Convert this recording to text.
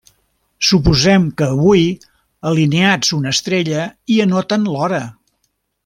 Suposem que avui alineats una estrella i anotem l'hora.